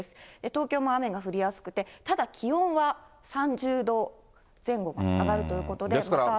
東京も雨が降りやすくてただ気温は３０度前後まで上がるということで。